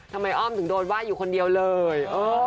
อ้อมถึงโดนว่าอยู่คนเดียวเลย